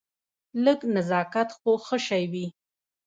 لږ نزاکت خو ښه شی وي.